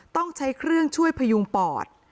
ต้องใช้เครื่องช่วยพยุงปอด